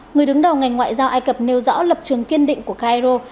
người đứng đầu ngành ngoại giao ai cập nêu rõ lập trường kiên định của cairo